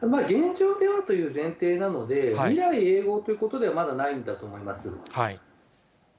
現状ではという前提なので、未来永ごうということではまだないんだと思います。